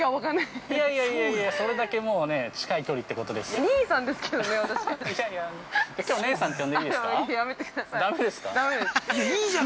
◆いやいやいやいや、それだけもうね、近い距離ってことですよ。